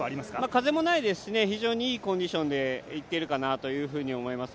風もないですし非常にいいコンディションでいっているかなと思います。